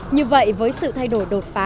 như vậy với sự thay đổi đột phá